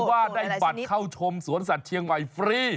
ว่าได้บัตรเข้าชมสวนสัตว์เชียงใหม่ฟรี